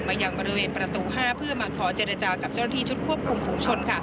ยังบริเวณประตู๕เพื่อมาขอเจรจากับเจ้าหน้าที่ชุดควบคุมฝุงชน